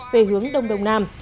về hướng đông đông nam